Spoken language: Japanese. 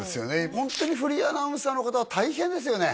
ホントにフリーアナウンサーの方は大変ですよね